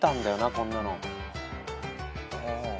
こんなの。